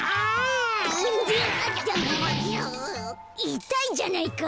いたいじゃないか！